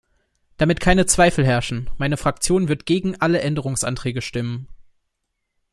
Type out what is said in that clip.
Damit keine Zweifel herrschen: meine Fraktion wird gegen alle Änderungsanträge stimmen.